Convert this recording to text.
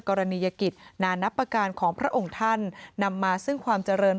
กรณียกิจนานับประการของพระองค์ท่านนำมาซึ่งความเจริญ